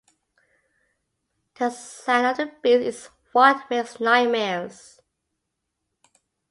The sound of the beats is what makes Nightmares.